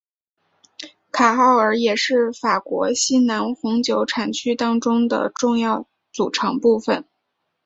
卡奥尔也是法国西南红酒产区当中的重要组成部分。